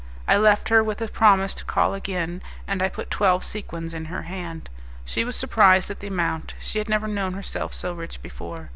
I left her with a promise to call again, and I put twelve sequins in her hand. She was surprised at the amount; she had never known herself so rich before.